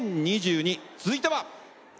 続いては。